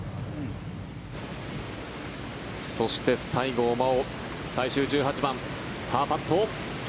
そして、西郷真央最終１８番、パーパット。